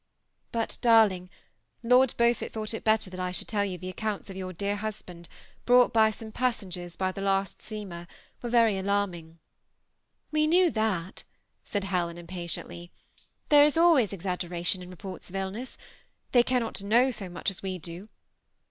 " But, darling. Lord Beaufort thought it better I should tell you that the accounts of your dear husband, brought by some of the passengers by the last steamer, were very alarming." " We knew that," said Helen, impatiently. " There is always exaggeration in reports of illness. They cannot know so much as we do.